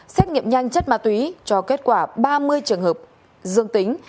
xét nghiệm nhanh chất ma túy cho kết quả ba mươi trường hợp dương tính